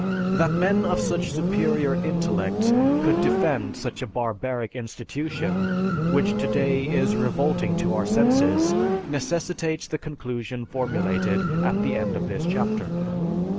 That men of such superior intellect could defend such a barbaric institution, which today is revolting to our senses, necessitates the conclusion formulated at the end of this chapter.